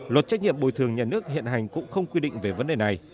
luật trách nhiệm bồi thường nhà nước hiện hành cũng không quy định về vấn đề này